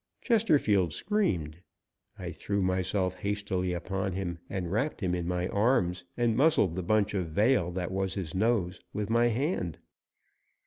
Chesterfield screamed. I threw myself hastily upon him and wrapped him in my arms and muzzled the bunch of veil that was his nose with my hand.